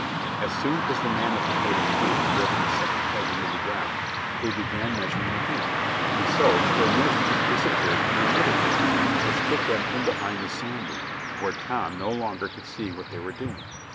As soon as the man with the plaited queue had driven the second peg into the ground they began measuring again, and so, still measuring, disappeared in another direction which took them in behind the sand dune where Tom no longer could see what they were doing.